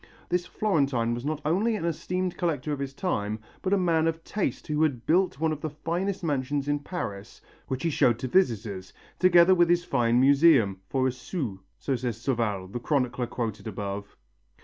This Florentine was not only an esteemed collector of his time, but a man of taste who had built one of the finest mansions in Paris, which he showed to visitors, together with his fine museum, "for a sou," so says Sauval, the chronicler quoted above.